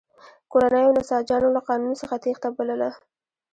کورنیو نساجانو له قانون څخه تېښته بلله.